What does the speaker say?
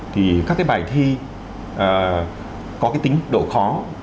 thì các cái bài thi có cái tính độ khó